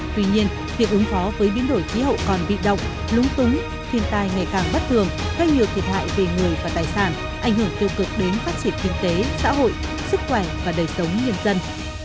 tuy nhiên việc ứng phó với biến đổi khí hậu còn bị động lúng túng thiên tai ngày càng bất thường gây nhiều thiệt hại về người và tài sản ảnh hưởng tiêu cực đến phát triển kinh tế xã hội sức khỏe và đời sống nhân dân